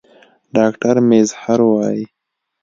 ډاکټر میزهر وايي